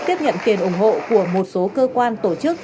tiếp nhận tiền ủng hộ của một số cơ quan tổ chức